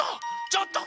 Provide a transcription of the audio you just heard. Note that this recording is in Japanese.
ちょっと！